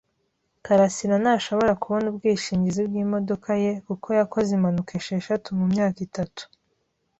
karasira ntashobora kubona ubwishingizi bwimodoka ye kuko yakoze impanuka esheshatu mumyaka itatu,